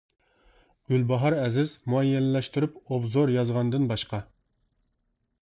گۈلباھار ئەزىز مۇئەييەنلەشتۈرۈپ ئوبزور يازغاندىن باشقا.